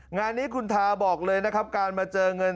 งานนี้คุณทาบอกเลยนะครับการมาเจอเงิน